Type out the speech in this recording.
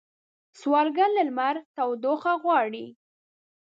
سوالګر له لمر تودوخه غواړي